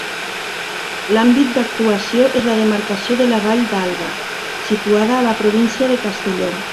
L'àmbit d'actuació és la demarcació de la Vall d'Alba, situada a la província de Castelló.